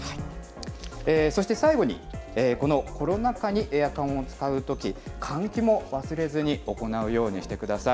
そして最後に、このコロナ禍にエアコンを使うとき、換気も忘れずに行うようにしてください。